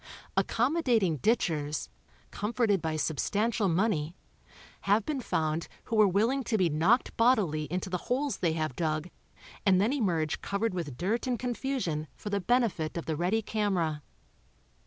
Accommodating ditchers, comforted by substantial money, have been found who were willing to be knocked bodily into the holes they have dug and then emerge covered with dirt and confusion for the benefit of the ready camera.